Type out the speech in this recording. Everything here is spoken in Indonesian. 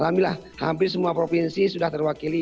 alhamdulillah hampir semua provinsi sudah terwakili